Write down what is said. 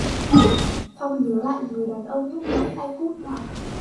Phong nhớ lại người đàn ông lúc nãy anh hốt hoảng